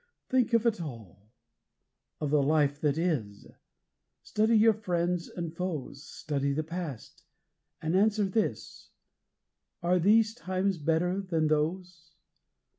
Think of it all of the life that is! Study your friends and foes! Study the past! And answer this: 'Are these times better than those?'